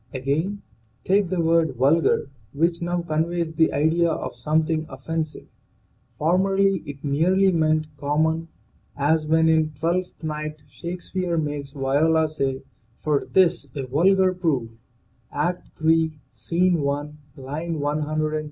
Again, take the word vulgar, which now conveys the idea of something offensive. Formerly it merely meant common, as when in " Twelfth Night" Shake speare makes Viola say: "for 'tis a vulgar proof " (Act III, Scene i, line 135).